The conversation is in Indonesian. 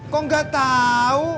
kok gak tau